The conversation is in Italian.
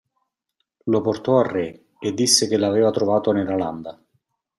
Lo portò al re e disse che l'aveva trovato nella landa.